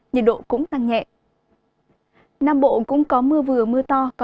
nhiệt độ cao nhất là ba mươi một ba mươi ba giây